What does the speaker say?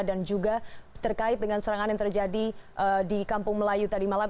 dan juga terkait dengan serangan yang terjadi di kampung melayu tadi malam